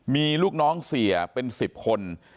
มีลูกน้องเสียเป็น๑๐คน